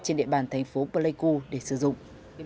trên địa bàn thành phố pleiku để sử dụng